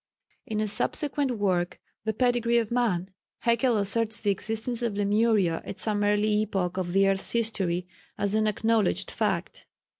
In a subsequent work, "The Pedigree of Man," Haeckel asserts the existence of Lemuria at some early epoch of the earth's history as an acknowledged fact.